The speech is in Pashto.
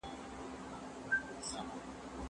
زه مخکي کتابتون ته راتلی و!.